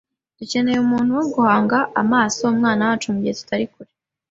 Dukeneye umuntu wo guhanga amaso umwana wacu mugihe tutari kure.